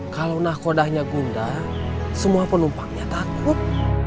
kalau nakodanya gunda semua penumpangnya takut